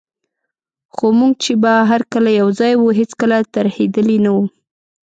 خو موږ چي به هر کله یوځای وو، هیڅکله ترهېدلي نه وو.